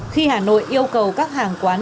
khi hà nội yêu cầu các hàng quán